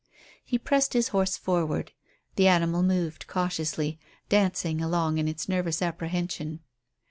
He pressed his horse forward. The animal moved cautiously, dancing along in its nervous apprehension.